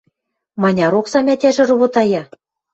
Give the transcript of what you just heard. Маняр оксам ӓтяжӹ ровотая?»